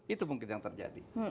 itu mungkin yang terjadi